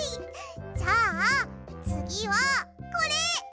じゃあつぎはこれ！